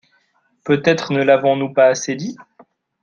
Peut-être ne l’avons-nous pas assez dit.